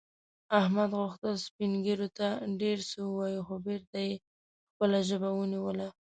احمد غوښتل سپین ږیرو ته ډېر څه ووايي، خو بېرته یې خپله ژبه ونیوله.